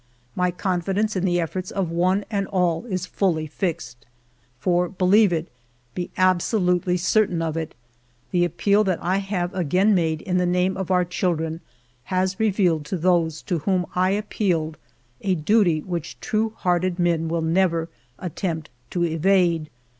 My confidence in the efforts of one and all is fully fixed ; for — believe it, be absolutely certain of it — the appeal that I have again made in the name of our children has revealed to those to whom I appealed a duty which true hearted men will never attempt to evade.